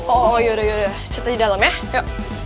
oh yaudah yaudah cepet di dalam ya